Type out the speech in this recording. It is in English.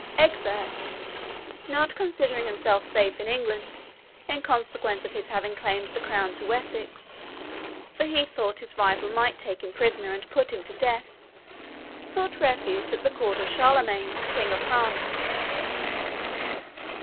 Egbert, not considering himself safe in England, in consequence of his having claimed the crown of Wessex (for he thought his rival might take him prisoner and put him to death), sought refuge at the court of Charlemagne, King of France.